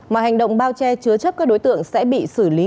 mọi hành động bao che chứa chấp các đối tượng sẽ bị xử lý